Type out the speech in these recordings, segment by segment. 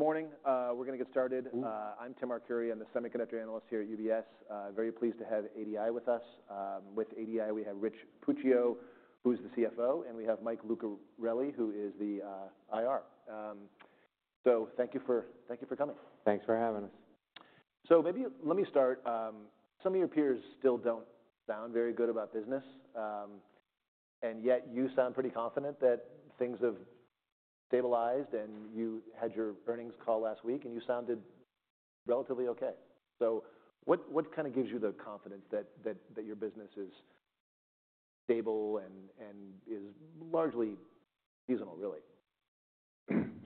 Good morning. We're gonna get started. Mm-hmm. I'm Tim Arcuri. I'm the semiconductor analyst here at UBS. Very pleased to have ADI with us. With ADI we have Rich Puccio, who's the CFO, and we have Mike Lucarelli, who is the IR. Thank you for coming. Thanks for having us. So maybe let me start. Some of your peers still don't sound very good about business. And yet you sound pretty confident that things have stabilized, and you had your earnings call last week, and you sounded relatively okay. So what kinda gives you the confidence that your business is stable and is largely seasonal, really?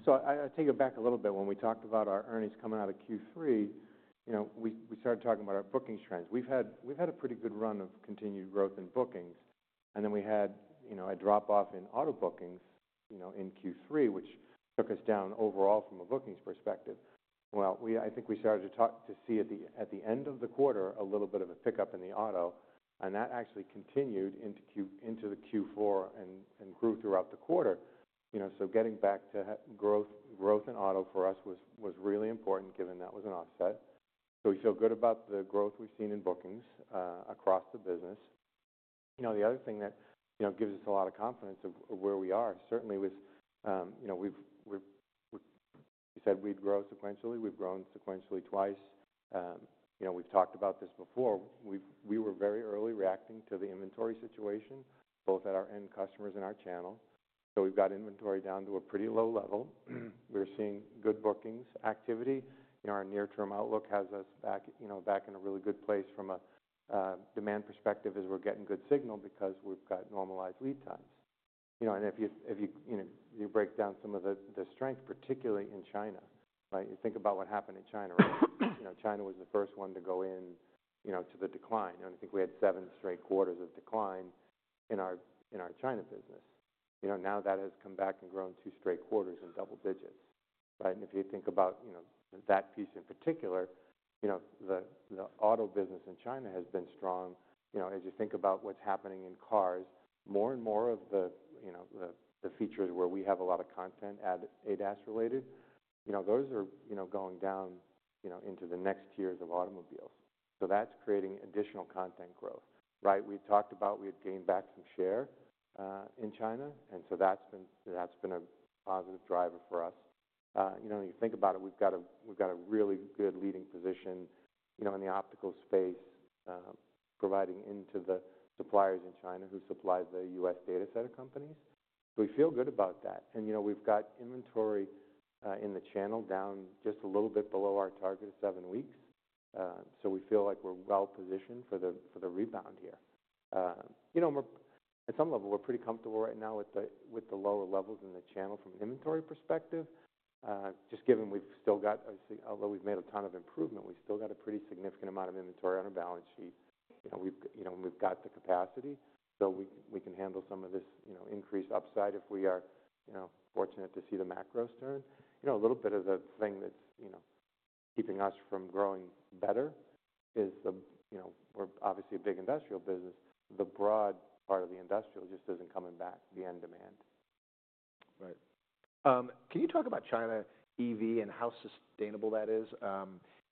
I take it back a little bit. When we talked about our earnings coming out of Q3, you know, we started talking about our bookings trends. We've had a pretty good run of continued growth in bookings, and then we had, you know, a drop-off in auto bookings, you know, in Q3, which took us down overall from a bookings perspective. I think we started to see at the end of the quarter a little bit of a pickup in the auto, and that actually continued into Q4 and grew throughout the quarter, you know. Getting back to our growth in auto for us was really important given that was an offset. We feel good about the growth we've seen in bookings across the business. You know, the other thing that, you know, gives us a lot of confidence in where we are. It certainly was, you know, we've said we'd grow sequentially. We've grown sequentially twice. You know, we've talked about this before. We were very early reacting to the inventory situation, both at our end customers and our channel. So we've got inventory down to a pretty low level. We're seeing good bookings activity. You know, our near-term outlook has us back, you know, back in a really good place from a demand perspective as we're getting good signal because we've got normalized lead times. You know, and if you, you know, you break down some of the strength, particularly in China, right? You think about what happened in China, right? You know, China was the first one to go in, you know, to the decline. You know, I think we had seven straight quarters of decline in our China business. You know, now that has come back and grown two straight quarters in double digits, right? And if you think about, you know, that piece in particular, you know, the Auto business in China has been strong. You know, as you think about what's happening in cars, more and more of the features where we have a lot of content and ADAS-related, you know, those are going down into the next tiers of automobiles. So that's creating additional content growth, right? We talked about we had gained back some share in China, and so that's been a positive driver for us. You know, when you think about it, we've got a really good leading position, you know, in the optical space, providing into the suppliers in China who supply the U.S. data center companies. So we feel good about that. And, you know, we've got inventory in the channel down just a little bit below our target of seven weeks. So we feel like we're well-positioned for the rebound here. You know, we're at some level, we're pretty comfortable right now with the lower levels in the channel from an inventory perspective, just given we've still got obviously, although we've made a ton of improvement, we've still got a pretty significant amount of inventory on our balance sheet. You know, we've, you know, we've got the capacity, so we can handle some of this increased upside if we are fortunate to see the macros turn. You know, a little bit of the thing that's keeping us from growing better is, you know, we're obviously a big industrial business. The broad part of the industrial just isn't coming back, the end demand. Right. Can you talk about China EV and how sustainable that is?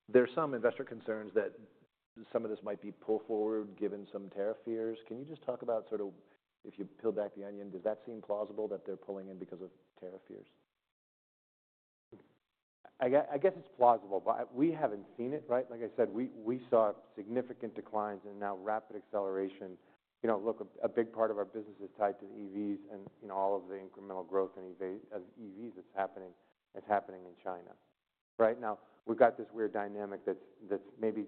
There's some investor concerns that some of this might be pulled forward given some tariff fears. Can you just talk about sort of if you peel back the onion, does that seem plausible that they're pulling in because of tariff fears? I guess it's plausible, but we haven't seen it, right? Like I said, we saw significant declines and now rapid acceleration. You know, look, a big part of our business is tied to the EVs and, you know, all of the incremental growth in EVs that's happening in China, right? Now, we've got this weird dynamic that's maybe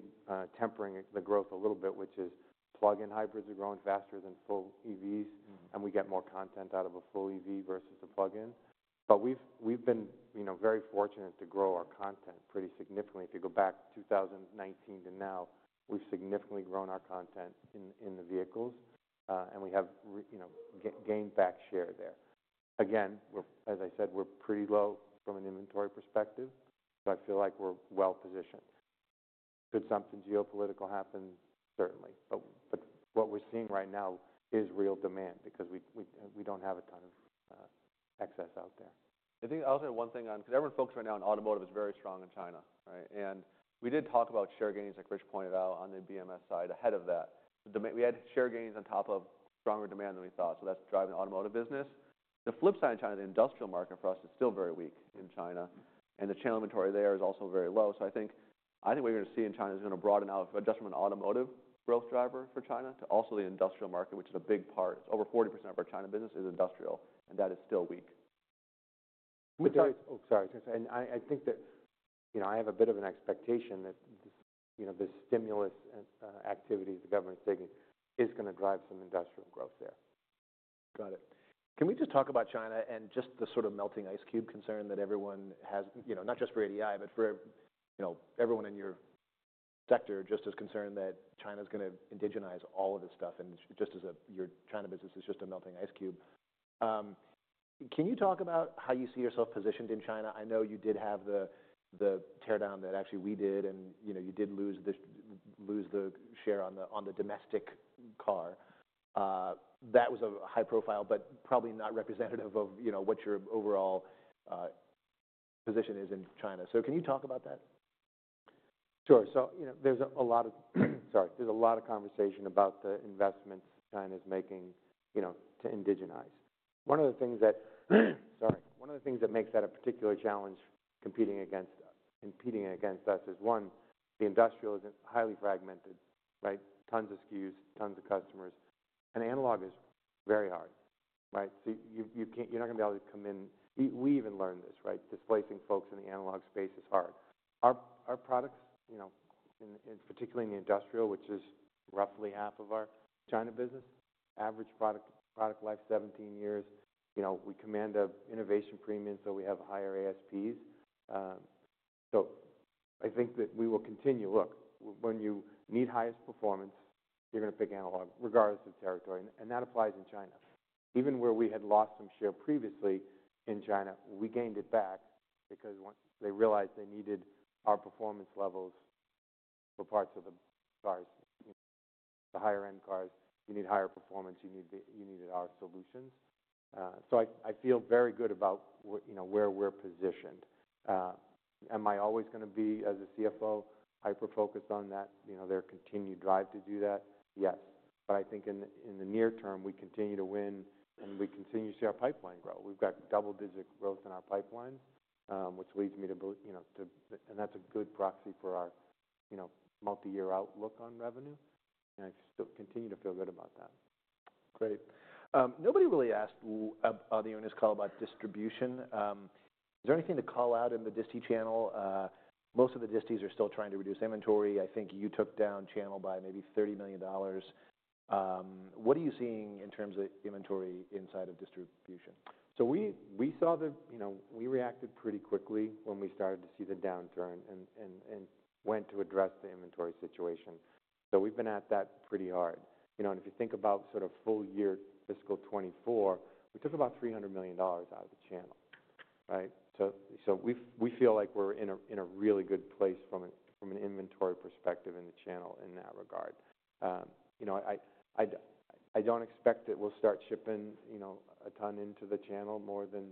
tempering the growth a little bit, which is plug-in hybrids are growing faster than full EVs. Mm-hmm. We get more content out of a full EV versus a plug-in. But we've been, you know, very fortunate to grow our content pretty significantly. If you go back to 2019 to now, we've significantly grown our content in the vehicles, and we have, you know, regained back share there. Again, we're, as I said, pretty low from an inventory perspective, so I feel like we're well-positioned. Could something geopolitical happen? Certainly. But what we're seeing right now is real demand because we don't have a ton of excess out there. I think I'll say one thing, 'cause everyone focused right now on automotive is very strong in China, right? And we did talk about share gains, like Rich pointed out, on the BMS side ahead of that. The demand we had share gains on top of stronger demand than we thought, so that's driving the automotive business. The flip side in China, the industrial market for us is still very weak in China, and the channel inventory there is also very low. So I think what you're gonna see in China is gonna broaden out just from an automotive growth driver for China to also the industrial market, which is a big part. It's over 40% of our China business is industrial, and that is still weak. Just saying, I think that, you know, I have a bit of an expectation that this, you know, this stimulus and activity the government's taking is gonna drive some industrial growth there. Got it. Can we just talk about China and just the sort of melting ice cube concern that everyone has, you know, not just for ADI but for, you know, everyone in your sector just is concerned that China's gonna indigenize all of this stuff and just as your China business is just a melting ice cube. Can you talk about how you see yourself positioned in China? I know you did have the teardown that actually we did, and, you know, you did lose the share on the domestic car. That was a high-profile but probably not representative of, you know, what your overall position is in China. So can you talk about that? Sure. So, you know, there's a lot of conversation about the investments China's making, you know, to indigenize. One of the things that makes that a particular challenge competing against us is, one, the industrial isn't highly fragmented, right? Tons of SKUs, tons of customers. And analog is very hard, right? So you can't, you're not gonna be able to come in. We even learned this, right? Displacing folks in the analog space is hard. Our products, you know, in particular in the industrial, which is roughly half of our China business, average product life 17 years, you know, we command a innovation premium, so we have higher ASPs. So I think that we will continue. Look, when you need highest performance, you're gonna pick analog regardless of territory. That applies in China. Even where we had lost some share previously in China, we gained it back because once they realized they needed our performance levels for parts of the cars, you know, the higher-end cars, you need higher performance, you need our solutions, so I feel very good about what, you know, where we're positioned. Am I always gonna be, as a CFO, hyper-focused on that, you know, their continued drive to do that? Yes, but I think in the near term, we continue to win, and we continue to see our pipeline grow. We've got double-digit growth in our pipelines, which leads me to believe, you know, and that's a good proxy for our, you know, multi-year outlook on revenue, and I still continue to feel good about that. Great. Nobody really asked me on the earnings call about distribution. Is there anything to call out in the disti channel? Most of the distis are still trying to reduce inventory. I think you took down channel by maybe $30 million. What are you seeing in terms of inventory inside of distribution? So we saw, you know, we reacted pretty quickly when we started to see the downturn and went to address the inventory situation. So we've been at that pretty hard. You know, and if you think about sort of full year fiscal 2024, we took about $300 million out of the channel, right? So we feel like we're in a really good place from an inventory perspective in the channel in that regard. You know, I don't expect that we'll start shipping, you know, a ton into the channel more than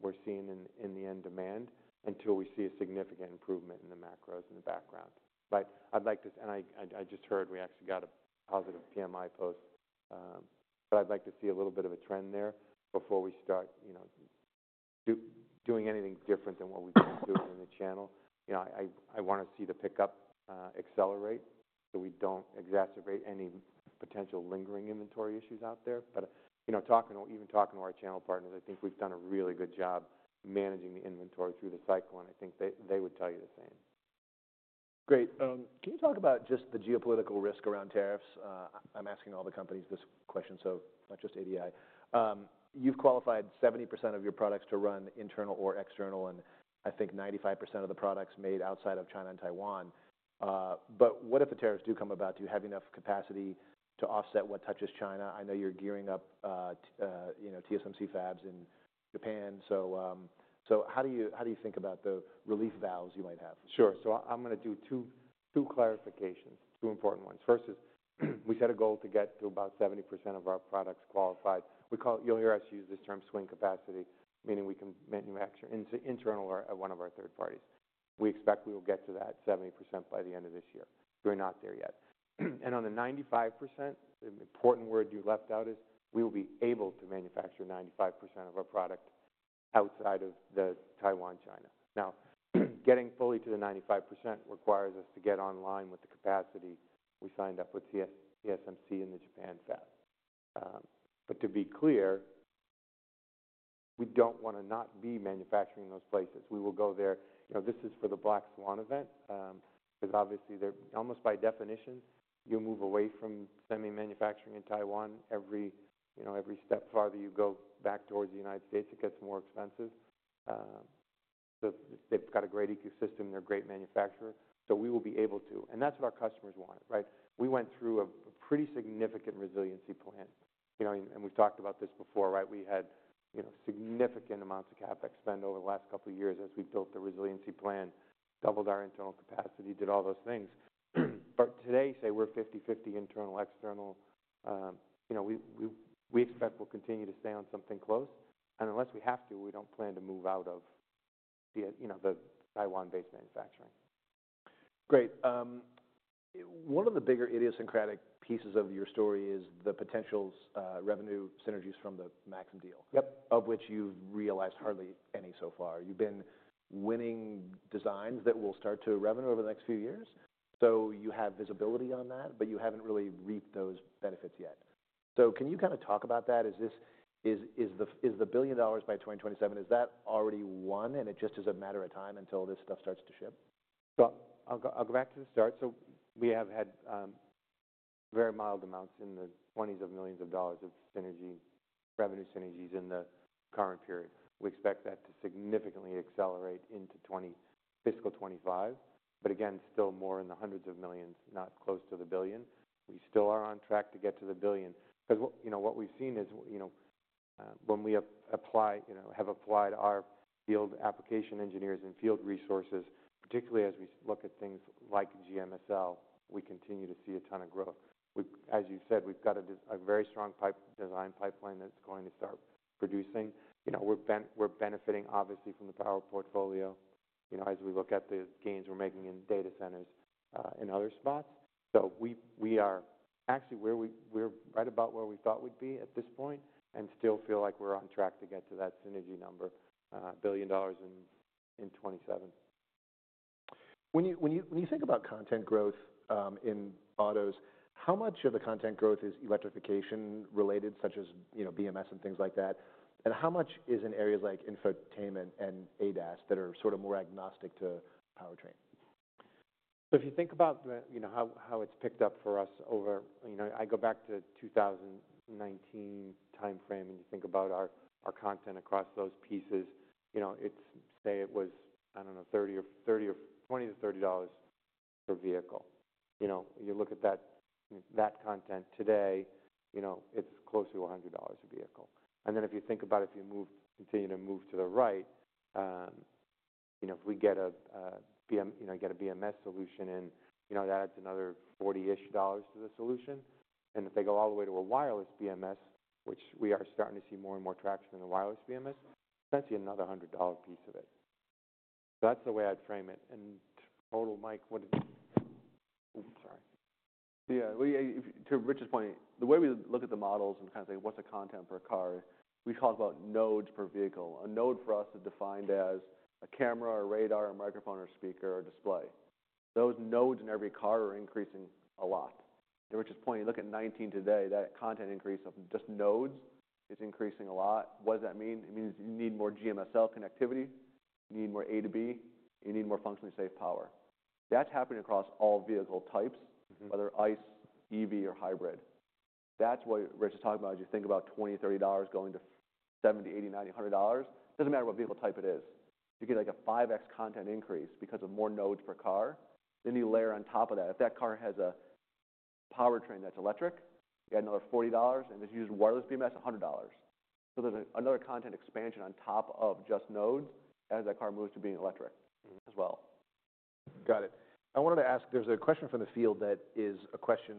we're seeing in the end demand until we see a significant improvement in the macros in the background. But I'd like to and I just heard we actually got a positive PMI post. But I'd like to see a little bit of a trend there before we start, you know, doing anything different than what we've been doing in the channel. You know, I wanna see the pickup accelerate so we don't exacerbate any potential lingering inventory issues out there. But, you know, talking to our channel partners, I think we've done a really good job managing the inventory through the cycle, and I think they would tell you the same. Great. Can you talk about just the geopolitical risk around tariffs? I'm asking all the companies this question, so not just ADI. You've qualified 70% of your products to run internal or external, and I think 95% of the products made outside of China and Taiwan. But what if the tariffs do come about? Do you have enough capacity to offset what touches China? I know you're gearing up to, you know, TSMC fabs in Japan. So, how do you think about the relief valves you might have? Sure. So I'm gonna do two, two clarifications, two important ones. First is we set a goal to get to about 70% of our products qualified. We call—you'll hear us use this term swing capacity, meaning we can manufacture internal or at one of our third parties. We expect we will get to that 70% by the end of this year. We're not there yet. And on the 95%, the important word you left out is we will be able to manufacture 95% of our product outside of the Taiwan, China. Now, getting fully to the 95% requires us to get online with the capacity we signed up with TSMC and the Japan fab, but to be clear, we don't wanna not be manufacturing in those places. We will go there you know, this is for the Black Swan event, 'cause obviously they're almost by definition, you move away from semi-manufacturing in Taiwan, every you know, every step farther you go back towards the United States, it gets more expensive. So they've got a great ecosystem. They're a great manufacturer. So we will be able to and that's what our customers want, right? We went through a pretty significant resiliency plan. You know, and we've talked about this before, right? We had, you know, significant amounts of CapEx spend over the last couple of years as we built the resiliency plan, doubled our internal capacity, did all those things. But today, say we're 50/50 internal, external, you know, we expect we'll continue to stay on something close. Unless we have to, we don't plan to move out of the, you know, the Taiwan-based manufacturing. Great. One of the bigger idiosyncratic pieces of your story is the potential revenue synergies from the Maxim deal. Yep. Of which you've realized hardly any so far. You've been winning designs that will start to revenue over the next few years. So you have visibility on that, but you haven't really reaped those benefits yet. So can you kinda talk about that? Is this the $1 billion by 2027, is that already won, and it just is a matter of time until this stuff starts to ship? So I'll go back to the start. So we have had very mild amounts in the 20s of millions of dollars of synergy revenue synergies in the current period. We expect that to significantly accelerate into fiscal 2025, but again, still more in the hundreds of millions, not close to the billion. We still are on track to get to the billion 'cause you know, what we've seen is, you know, when we apply, you know, have applied our field application engineers and field resources, particularly as we look at things like GMSL, we continue to see a ton of growth. As you said, we've got a very strong design pipeline that's going to start producing. You know, we've been benefiting, obviously, from the power portfolio, you know, as we look at the gains we're making in data centers, in other spots. So we are actually where we're right about where we thought we'd be at this point and still feel like we're on track to get to that synergy number, billion dollars in 2027. When you think about content growth in autos, how much of the content growth is electrification-related, such as, you know, BMS and things like that? And how much is in areas like infotainment and ADAS that are sort of more agnostic to powertrain? So if you think about the, you know, how it's picked up for us over, you know, I go back to 2019 timeframe and you think about our content across those pieces, you know, it was, say, I don't know, $20-$30 per vehicle. You know, you look at that content today, you know, it's close to $100 a vehicle. And then if you think about if you continue to move to the right, you know, if we get a BMS solution in, you know, that adds another 40-ish dollars to the solution. And if they go all the way to a wireless BMS, which we are starting to see more and more traction in the wireless BMS, that's another $100 piece of it. That's the way I'd frame it. Total, Mike, what is? Oh, sorry. Yeah. We, to Rich's point, the way we look at the models and kinda say, "What's the content per car?" We talk about nodes per vehicle. A node for us is defined as a camera, a radar, a microphone, or a speaker or a display. Those nodes in every car are increasing a lot. To Rich's point, you look at 2019 today, that content increase of just nodes is increasing a lot. What does that mean? It means you need more GMSL connectivity, you need more A2B, you need more functionally safe power. That's happening across all vehicle types. Mm-hmm. Whether ICE, EV, or hybrid. That's what Rich is talking about. As you think about $20-$30 going to $70-$100, it doesn't matter what vehicle type it is. You get like a 5x content increase because of more nodes per car. Then you layer on top of that, if that car has a powertrain that's electric, you add another $40, and if you use wireless BMS, $100. So there's another content expansion on top of just nodes as that car moves to being electric as well. Got it. I wanted to ask, there's a question from the field that is a question,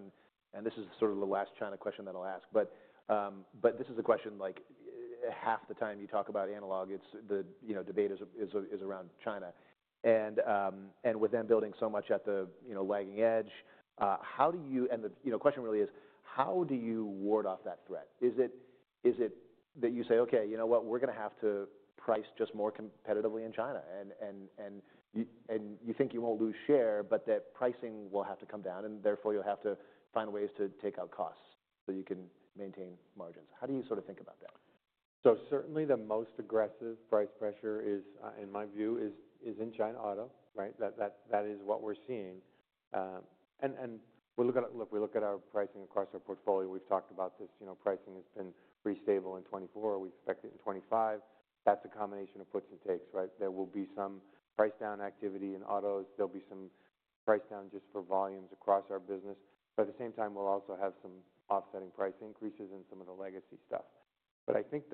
and this is sort of the last China question that I'll ask, but this is a question like half the time you talk about analog, it's the, you know, debate is around China. And with them building so much at the, you know, lagging edge, how do you, you know, question really is, how do you ward off that threat? Is it that you say, "Okay, you know what? We're gonna have to price just more competitively in China," and you think you won't lose share, but that pricing will have to come down, and therefore you'll have to find ways to take out costs so you can maintain margins? How do you sort of think about that? So certainly the most aggressive price pressure is, in my view, in China Auto, right? That is what we're seeing, and we look at our pricing across our portfolio. We've talked about this, you know, pricing has been pretty stable in 2024. We expect it in 2025. That's a combination of puts and takes, right? There will be some price-down activity in autos. There'll be some price-down just for volumes across our business. But at the same time, we'll also have some offsetting price increases in some of the legacy stuff. But I think,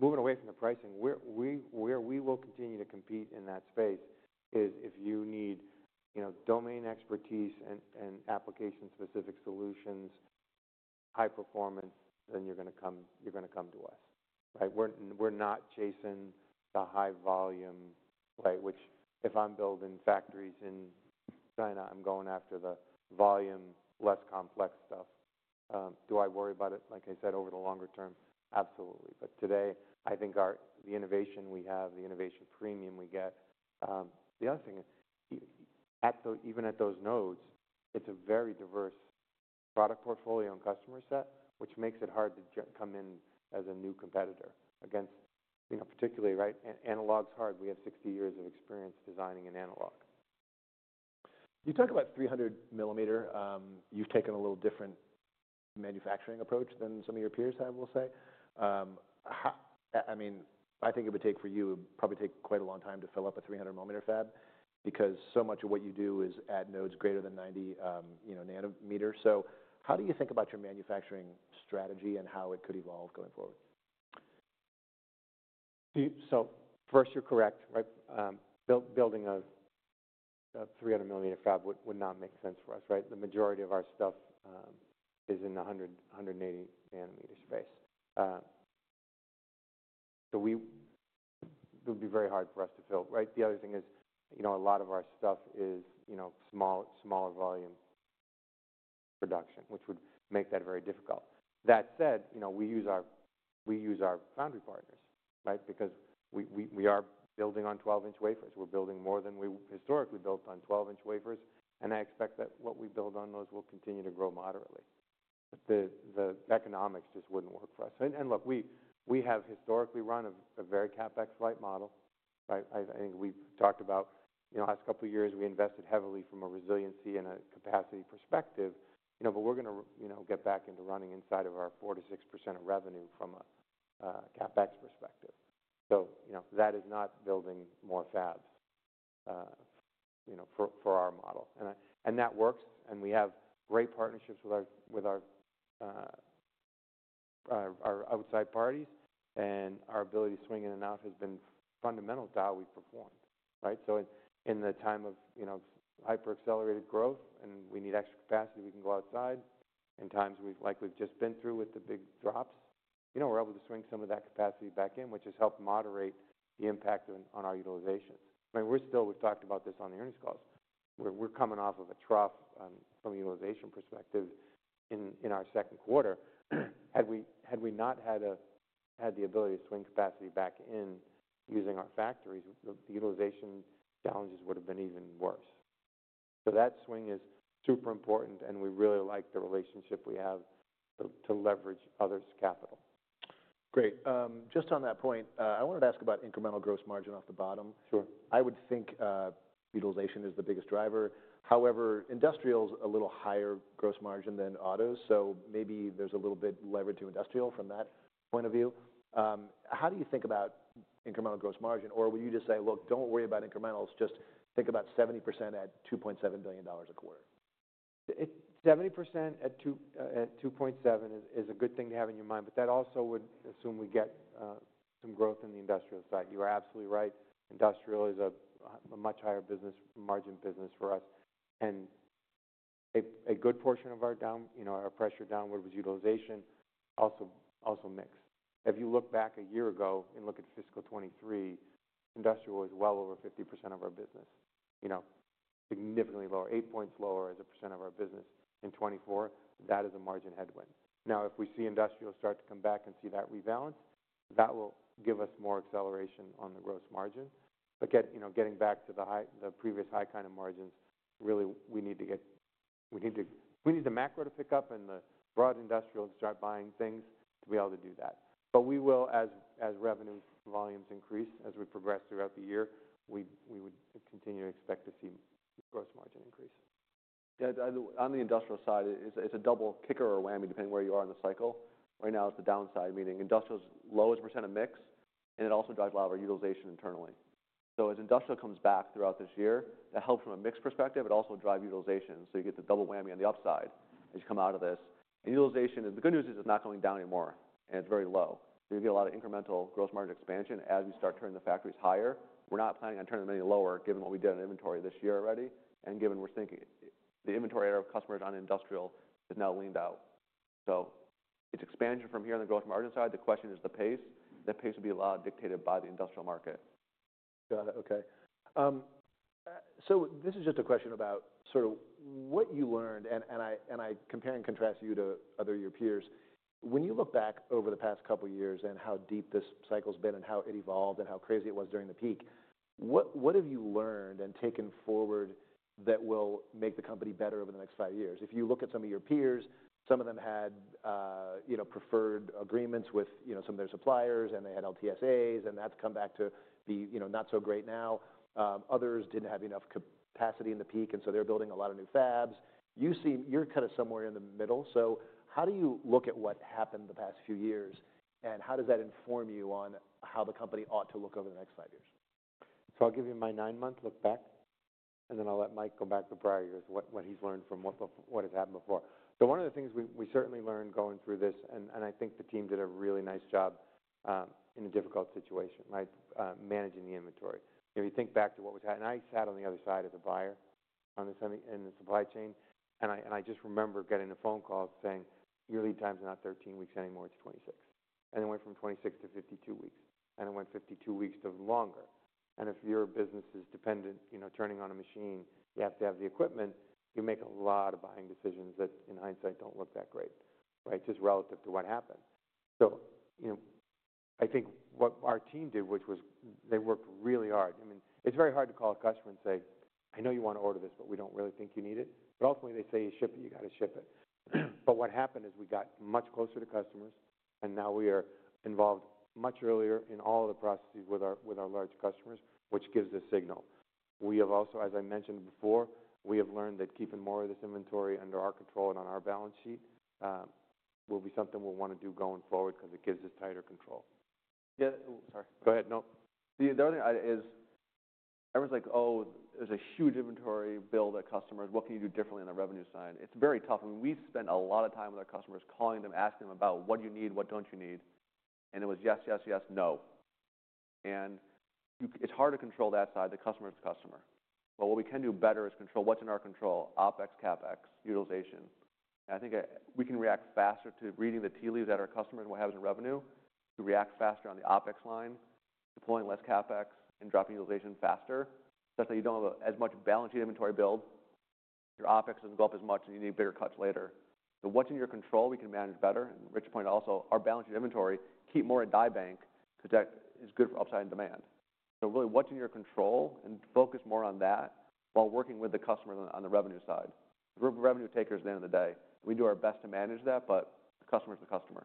moving away from the pricing, where we will continue to compete in that space is if you need, you know, domain expertise and application-specific solutions, high performance, then you're gonna come to us, right? We're not chasing the high volume, right? Which if I'm building factories in China, I'm going after the volume, less complex stuff. Do I worry about it, like I said, over the longer term? Absolutely. But today, I think our innovation we have, the innovation premium we get, the other thing is yeah even at those nodes, it's a very diverse product portfolio and customer set, which makes it hard to come in as a new competitor against, you know, particularly, right, Analog's hard. We have 60 years of experience designing in analog. You talk about 300 mm. You've taken a little different manufacturing approach than some of your peers have, we'll say. I mean, I think it would probably take quite a long time to fill up a 300 mm fab because so much of what you do is at nodes greater than 90, you know. So how do you think about your manufacturing strategy and how it could evolve going forward? See, so first, you're correct, right? Building a 300 mm fab would not make sense for us, right? The majority of our stuff is in the 100-180 nm space, so it would be very hard for us to fill, right? The other thing is, you know, a lot of our stuff is, you know, small, smaller volume production, which would make that very difficult. That said, you know, we use our foundry partners, right? Because we are building on 12-inch wafers. We're building more than we historically built on 12-inch wafers, and I expect that what we build on those will continue to grow moderately. But the economics just wouldn't work for us. And look, we have historically run a very CapEx-light model, right? I think we've talked about, you know, last couple of years, we invested heavily from a resiliency and a capacity perspective, you know, but we're gonna, you know, get back into running inside of our 4%-6% of revenue from a CapEx perspective. So, you know, that is not building more fabs, you know, for our model. And that works, and we have great partnerships with our outside parties, and our ability to swing in and out has been fundamental to how we've performed, right? So in the time of, you know, hyperexponential growth and we need extra capacity, we can go outside. In times like we've just been through with the big drops, you know, we're able to swing some of that capacity back in, which has helped moderate the impact on our utilizations. I mean, we're still. We've talked about this on the earnings calls. We're coming off of a trough, from a utilization perspective in our second quarter. Had we not had the ability to swing capacity back in using our factories, the utilization challenges would've been even worse. So that swing is super important, and we really like the relationship we have to leverage others' capital. Great. Just on that point, I wanted to ask about incremental gross margin off the bottom. Sure. I would think, utilization is the biggest driver. However, industrial's a little higher gross margin than auto, so maybe there's a little bit leverage to industrial from that point of view. How do you think about incremental gross margin, or will you just say, "Look, don't worry about incrementals. Just think about 70% at $2.7 billion a quarter"? It's 70% at $2.7 billion is a good thing to have in your mind, but that also would assume we get some growth in the industrial side. You're absolutely right. Industrial is a much higher business margin business for us, and a good portion of our downward pressure, you know, was utilization, also mixed. If you look back a year ago and look at fiscal 2023, industrial was well over 50% of our business, you know, significantly lower, 8 points lower as a percent of our business in 2024. That is a margin headwind. Now, if we see industrial start to come back and see that rebalance, that will give us more acceleration on the gross margin. But, you know, getting back to the high, the previous high kind of margins, really, we need the macro to pick up and the broad industrial to start buying things to be able to do that. But we will, as revenue volumes increase as we progress throughout the year, we would continue to expect to see gross margin increase. Yeah. On the industrial side, it's a double kicker or whammy depending where you are in the cycle. Right now, it's the downside, meaning industrial's lowest percentage of mix, and it also drives a lot of our utilization internally. So as industrial comes back throughout this year, that helps from a mixed perspective, it also drives utilization. So you get the double whammy on the upside as you come out of this. Utilization is the good news: it's not going down anymore, and it's very low. You get a lot of incremental gross margin expansion as we start turning the factories higher. We're not planning on turning them any lower given what we did on inventory this year already and given we're thinking the inventory of our customers on industrial is now leaned out. So it's expansion from here on the gross margin side. The question is the pace. That pace would be a lot dictated by the industrial market. Got it. Okay, so this is just a question about sort of what you learned, and I compare and contrast you to other of your peers. When you look back over the past couple of years and how deep this cycle's been and how it evolved and how crazy it was during the peak, what have you learned and taken forward that will make the company better over the next five years? If you look at some of your peers, some of them had, you know, preferred agreements with, you know, some of their suppliers, and they had LTSAs, and that's come back to be, you know, not so great now. Others didn't have enough capacity in the peak, and so they're building a lot of new fabs. You seem you're kinda somewhere in the middle. So how do you look at what happened the past few years, and how does that inform you on how the company ought to look over the next five years? So, I'll give you my nine-month look back, and then I'll let Mike go back to prior years, what he's learned from what has happened before. So, one of the things we certainly learned going through this, and I think the team did a really nice job in a difficult situation, right, managing the inventory. You know, you think back to what was happening, and I sat on the other side as a buyer on this in the supply chain, and I just remember getting a phone call saying, "Your lead time's not 13 weeks anymore. It's 26." And it went from 26 to 52 weeks, and it went 52 weeks to longer. If your business is dependent, you know, turning on a machine, you have to have the equipment, you make a lot of buying decisions that, in hindsight, don't look that great, right, just relative to what happened. So, you know, I think what our team did, which was they worked really hard. I mean, it's very hard to call a customer and say, "I know you wanna order this, but we don't really think you need it." But ultimately, they say, "You ship it. You gotta ship it." But what happened is we got much closer to customers, and now we are involved much earlier in all of the processes with our large customers, which gives a signal. We have also, as I mentioned before, we have learned that keeping more of this inventory under our control and on our balance sheet, will be something we'll wanna do going forward 'cause it gives us tighter control. Yeah. Oh, sorry. Go ahead. The other thing is everyone's like, "Oh, there's a huge inventory build that customers. What can you do differently on the revenue side?" It's very tough. I mean, we spent a lot of time with our customers calling them, asking them about what do you need, what don't you need, and it was yes, yes, yes, no. And it's hard to control that side. The customer's the customer. But what we can do better is control what's in our control, OpEx, CapEx, utilization. And I think we can react faster to reading the tea leaves of our customers and what happens in revenue. You react faster on the OpEx line, deploying less CapEx and dropping utilization faster, such that you don't have as much balance sheet inventory build. Your OpEx doesn't go up as much, and you need bigger cuts later. So what's in your control, we can manage better. And Rich's point also, our balance sheet inventory, keep more at die bank 'cause that is good for upside in demand. So really, what's in your control and focus more on that while working with the customer on the revenue side. Group of revenue takers at the end of the day. We do our best to manage that, but the customer's the customer.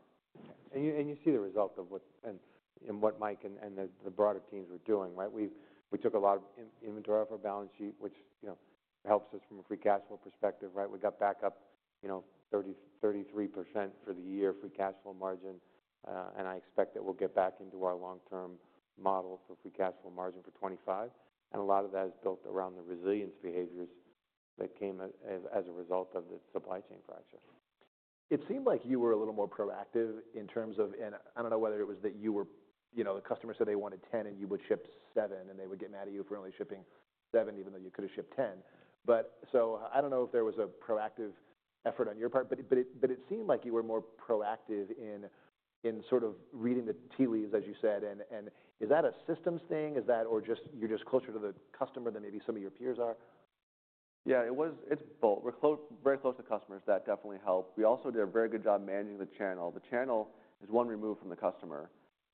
You see the result of what Mike and the broader teams were doing, right? We took a lot of inventory off our balance sheet, which, you know, helps us from a free cash flow perspective, right? We got back up, you know, 30%-33% for the year free cash flow margin, and I expect that we'll get back into our long-term model for free cash flow margin for 2025. A lot of that is built around the resilience behaviors that came as a result of the supply chain fracture. It seemed like you were a little more proactive in terms of, and I don't know whether it was that you were, you know, the customer said they wanted 10, and you would ship 7, and they would get mad at you for only shipping 7, even though you could've shipped 10. But so I don't know if there was a proactive effort on your part, but it seemed like you were more proactive in sort of reading the tea leaves, as you said. Is that a systems thing? Or is that just you're closer to the customer than maybe some of your peers are? Yeah. It was, it's both. We're close, very close to customers. That definitely helped. We also did a very good job managing the channel. The channel is one removed from the customer.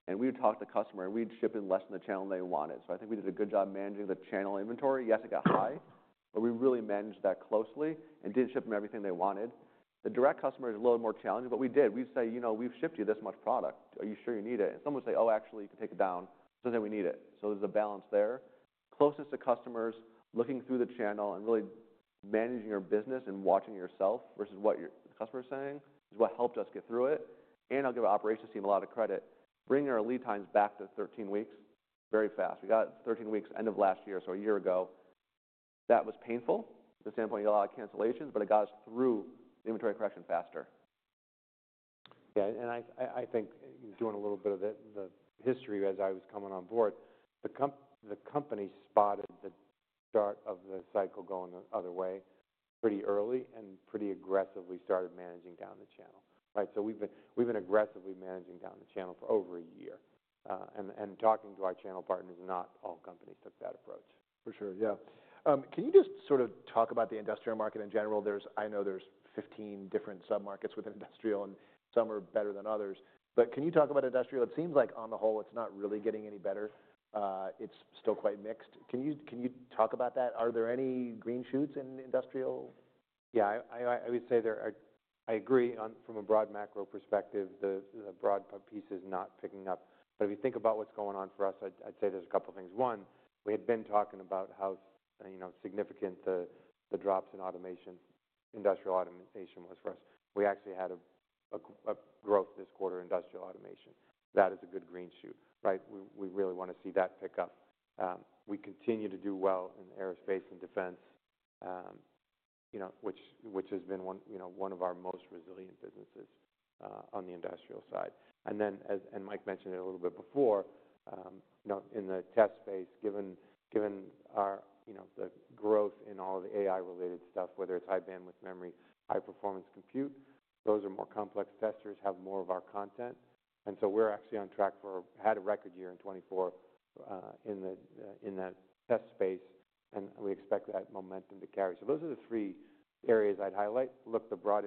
And we would talk to the customer, and we'd ship in less than the channel they wanted. So I think we did a good job managing the channel inventory. Yes, it got high, but we really managed that closely and didn't ship them everything they wanted. The direct customer is a little more challenging, but we did. We'd say, "You know, we've shipped you this much product. Are you sure you need it?" And some would say, "Oh, actually, you can take it down. Doesn't say we need it." So there's a balance there. Closest to customers, looking through the channel and really managing your business and watching yourself versus what your customer's saying is what helped us get through it. And I'll give our operations team a lot of credit. Bringing our lead times back to 13 weeks very fast. We got 13 weeks end of last year, so a year ago. That was painful from the standpoint of a lot of cancellations, but it got us through inventory correction faster. Yeah. I think doing a little bit of the history as I was coming on board, the company spotted the start of the cycle going the other way pretty early and pretty aggressively started managing down the channel, right? So we've been aggressively managing down the channel for over a year, and talking to our channel partners, not all companies took that approach. For sure. Yeah. Can you just sort of talk about the industrial market in general? There's, I know, there's 15 different submarkets within industrial, and some are better than others. But can you talk about industrial? It seems like on the whole, it's not really getting any better. It's still quite mixed. Can you talk about that? Are there any green shoots in industrial? Yeah. I would say there are. I agree on from a broad macro perspective, the broad piece is not picking up. But if you think about what's going on for us, I'd say there's a couple of things. One, we had been talking about how, you know, significant the drops in automation, industrial automation was for us. We actually had a growth this quarter in industrial automation. That is a good green shoot, right? We really wanna see that pick up. We continue to do well in aerospace and defense, you know, which has been one of our most resilient businesses, on the industrial side. And then, as Mike mentioned it a little bit before, you know, in the test space, given our, you know, the growth in all of the AI-related stuff, whether it's high bandwidth memory, high-performance compute, those are more complex. Testers have more of our content. And so we're actually on track for had a record year in 2024, in that test space, and we expect that momentum to carry. So those are the three areas I'd highlight. Look, the broad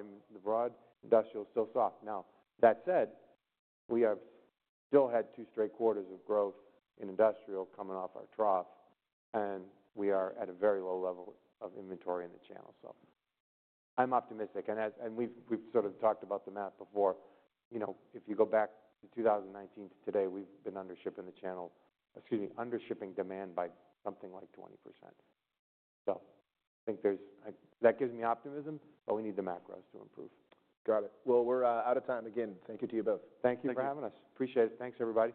industrial's still soft. Now, that said, we have still had two straight quarters of growth in industrial coming off our trough, and we are at a very low level of inventory in the channel. So I'm optimistic. And as we've, we've sort of talked about the math before. You know, if you go back to 2019 to today, we've been under ship in the channel, excuse me, under shipping demand by something like 20%. So I think there's I that gives me optimism, but we need the macros to improve. Got it. Well, we're out of time again. Thank you to you both. Thank you for having us. Appreciate it. Thanks, everybody.